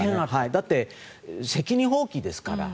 だって責任放棄ですから。